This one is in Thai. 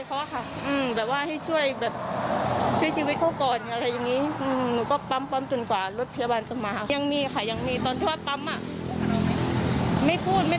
แต่ว่าก็คือยังลืนตาเลยแบบนี้ค่ะ